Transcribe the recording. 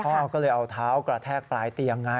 พ่อก็เลยเอาเท้ากระแทกปลายเตียงไง